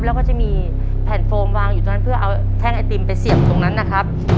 แล้วก็จะมีแผ่นโฟมวางอยู่ตรงนั้นเพื่อเอาแท่งไอติมไปเสียบตรงนั้นนะครับ